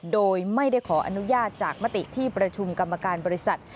โดยไม่ได้ขออนุญาตจากมติที่ประชุมกรรมการบริษัท